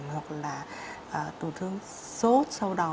hoặc là tổn thương sốt sau đó